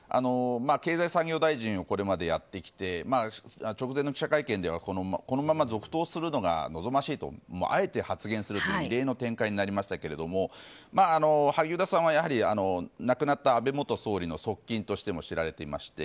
経済産業大臣をこれまでやってきて直前の記者会見ではこのまま続投するのが望ましいとあえて発言するという異例の展開になりましたけど萩生田さんはやはり亡くなった安倍元総理の側近としても知られていまして。